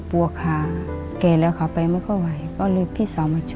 ถ้าอยู่ทางไม่มีคนทำเพื่อนลูกจะให้ลูกมีอนาคตที่ดี